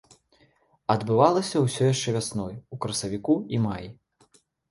Адбывалася ўсё яшчэ вясной, у красавіку і маі.